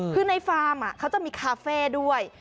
คือในฟาร์มเขาจะมีคาเฟ่ด้วย